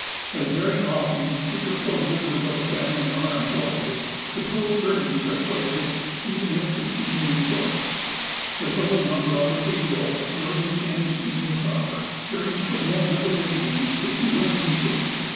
As very often three and four members of a family are employed, the total earnings are quite a bit, even if the season is short. The total number on the pay roll, during the canning season proper, varies from one hundred and eighty to two hundred and fifty.